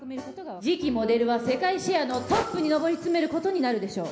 次期モデルは世界シェアのトップに上り詰めることになるでしょう